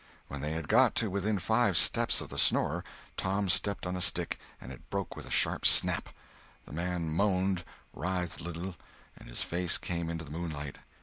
When they had got to within five steps of the snorer, Tom stepped on a stick, and it broke with a sharp snap. The man moaned, writhed a little, and his face came into the moonlight.